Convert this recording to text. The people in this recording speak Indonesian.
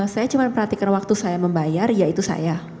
saya cuma perhatikan waktu saya membayar ya itu saya